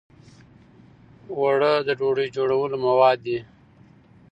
اوړه د ډوډۍ جوړولو مواد دي